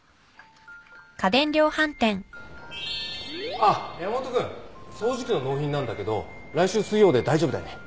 あっ山本君掃除機の納品なんだけど来週水曜で大丈夫だよね？